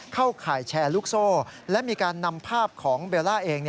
เข้าข่ายแชร์ลูกโซ่และมีการนำภาพของเบลล่าเอง